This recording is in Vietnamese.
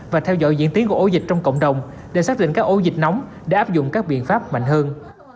và theo dõi diễn tiến của ổ dịch trong cộng đồng để xác định các ổ dịch nóng để áp dụng các biện pháp mạnh hơn